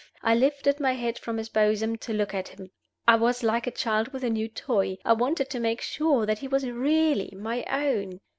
I lifted my head from his bosom to look at him. I was like a child with a new toy I wanted to make sure that he was really my own.